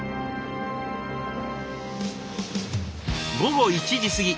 午後１時過ぎ。